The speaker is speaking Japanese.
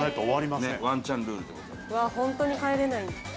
うわっ本当に帰れないんだ。